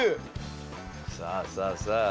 さあさあさあ